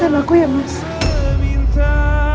jangan demi saya